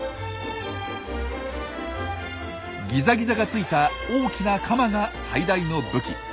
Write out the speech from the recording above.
ギザギザがついた大きなカマが最大の武器。